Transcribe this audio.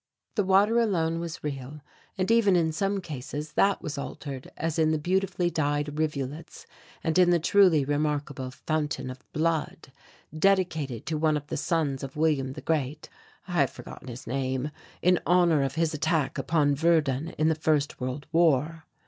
The water alone was real and even in some cases that was altered as in the beautifully dyed rivulets and in the truly remarkable "Fountain of Blood," dedicated to one of the sons of William the Great I have forgotten his name in honour of his attack upon Verdun in the First World War.